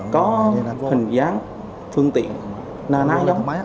có hình dáng phương tiện na ná giống